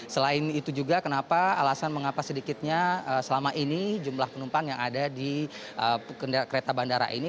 selain itu juga kenapa alasan mengapa sedikitnya selama ini jumlah penumpang yang ada di kereta bandara ini